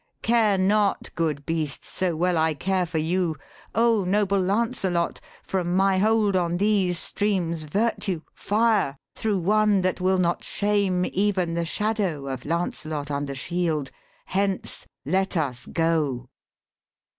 Care not, good beasts, so well I care for you. O noble Lancelot, from my hold on these Streams virtue fire thro' one that will not shame Even the shadow of Lancelot under shield. Hence: let us go.'